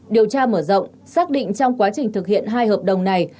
điều tra mở rộng xác định trong quá trình thực hiện hai hợp đồng này